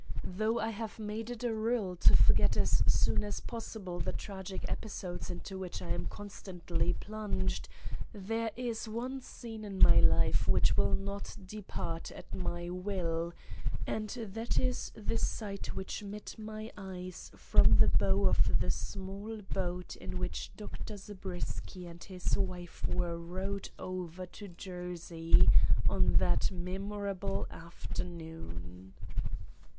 Though I have made it a rule to forget as soon as possible the tragic episodes into which I am constantly plunged, there is one scene in my life which will not depart at my will; and that is the sight which met my eyes from the bow of the small boat in which Dr. Zabriskie and his wife were rowed over to Jersey on that memorable afternoon.